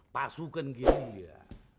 pasukan gini ya